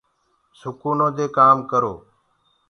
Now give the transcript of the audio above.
سُکونو دي ڪآم ڪرو۔